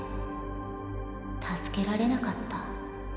助けられなかった。